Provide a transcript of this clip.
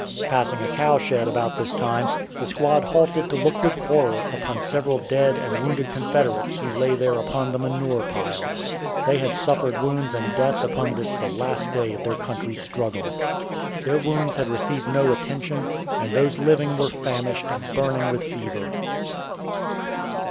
Passing a cow shed about this time, the squad halted to look with horror upon several dead and wounded Confederates who lay there upon the manure pile. They had suffered wounds and death upon this the last day of their country's struggle. Their wounds had received no attention, and those living were famished and burning with fever.